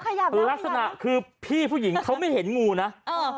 ลักษณะคือพี่ผู้หญิงเขาไม่เห็นงูนะเออ